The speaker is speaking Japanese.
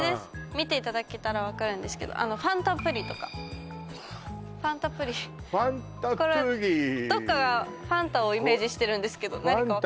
見ていただけたら分かるんですけどファンタプリとかファンファンタプリファンタプリこれはどっかがファンタをイメージしてるんですけど何か分かりますか？